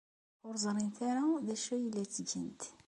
Ur ẓrint ara d acu ay la ttgent.